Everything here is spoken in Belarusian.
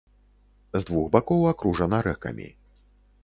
З двух бакоў акружана рэкамі.